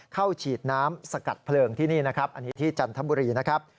ฉีดน้ำสกัดเพลิงที่นี่นะครับอันนี้ที่จันทบุรีนะครับ